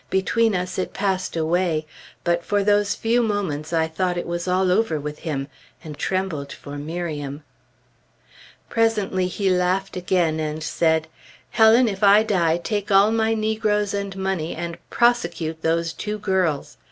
Between us, it passed away; but for those few moments I thought it was all over with him, and trembled for Miriam. Presently he laughed again and said, "Helen, if I die, take all my negroes and money and prosecute those two girls!